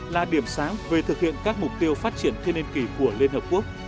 là điểm sáng về thực hiện các mục tiêu phát triển thiên niên kỳ của liên hợp quốc